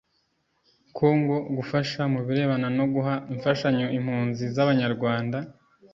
Kongo gufasha mu birebana no guha imfashanyo impunzi z Abanyarwanda